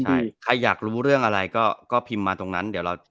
ใช่ใครอยากรู้เรื่องอะไรก็พิมพ์มาตรงนั้น